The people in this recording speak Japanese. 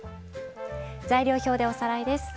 材料表でおさらいです。